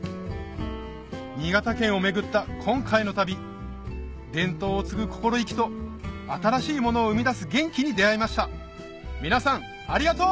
新潟県を巡った今回の旅伝統を継ぐ心意気と新しいものを生み出す元気に出合いました皆さんありがとう！